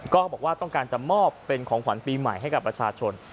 ก็บอกว่าต้องการจะมอบเป็นของขวัญปีใหม่ให้กับประชาชน